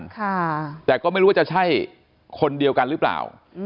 ค่ะแต่ก็ไม่รู้ว่าจะใช่คนเดียวกันหรือเปล่า